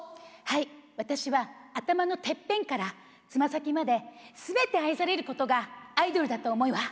はい私は頭のてっぺんからつま先まですべて愛されることがアイドルだと思うわ！